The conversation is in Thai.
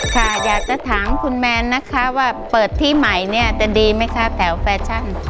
ค่ะอยากจะถามคุณแมนนะคะว่าเปิดที่ใหม่เนี่ยจะดีไหมคะแถวแฟชั่น